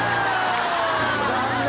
残念。